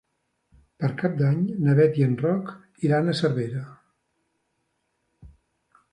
Per Cap d'Any na Bet i en Roc iran a Cervera.